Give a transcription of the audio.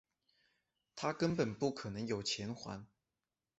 他根本不可能有钱还